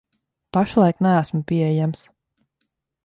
Pašlaik neesmu pieejams.